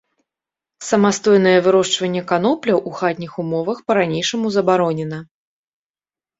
Самастойнае вырошчванне канопляў у хатніх умовах па-ранейшаму забаронена.